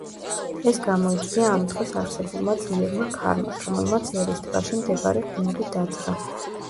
ეს გამოიწვია ამ დღეს არსებულმა ძლიერმა ქარმა, რომელმაც ერის ტბაში მდებარე ყინული დაძრა.